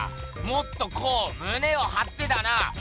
もっとこうむねをはってだな。